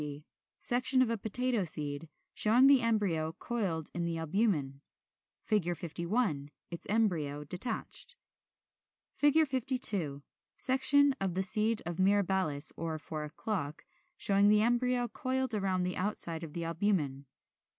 50. Section of a Potato seed, showing the embryo coiled in the albumen. 51. Its embryo detached.] [Illustration: Fig. 52. Section of the seed of Mirabilis or Four o'clock, showing the embryo coiled round the outside of the albumen.